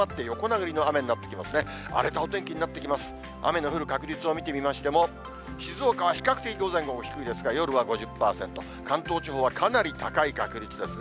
雨の降る確率を見てみましても、静岡は比較的、午前、午後、低いですが、夜は５０％、関東地方はかなり高い確率ですね。